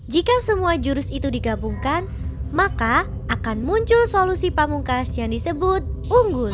jika semua jurus itu digabungkan maka akan muncul solusi pamungkas yang disebut unggul